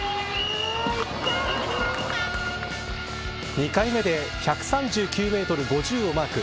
２回目で１３９メートル５０をマーク。